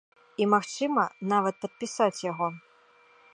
І магчыма, нават падпісаць яго.